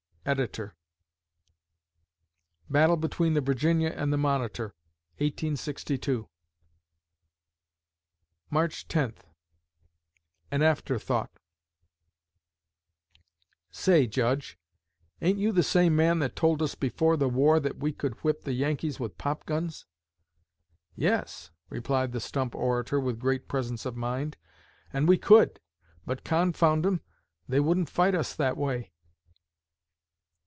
Ed. Battle between the "Virginia" and the "Monitor," 1862 March Tenth AN AFTERTHOUGHT "Say, Judge, ain't you the same man that told us before the war that we could whip the Yankees with pop guns?" "Yes," replied the stump orator, with great presence of mind, "and we could, but, confound 'em, they wouldn't fight us that way."